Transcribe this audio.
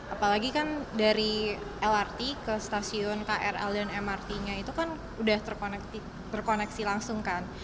apalagi kan dari lrt ke stasiun krl dan mrt nya itu kan udah terkoneksi langsung kan